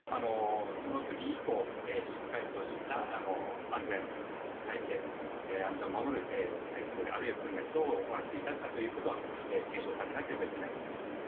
その時以降、しっかりとした安全を守る体制やあるいは訓練等を行っていたかということは検証されなければいけないと思います。